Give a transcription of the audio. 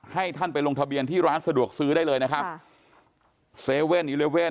ให้ท่านไปลงทะเบียนที่ร้านสะดวกซื้อได้เลยนะครับค่ะ๗๑๑